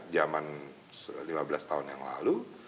zaman lima belas tahun yang lalu